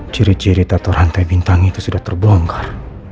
ciri ciri atau rantai bintang itu sudah terbongkar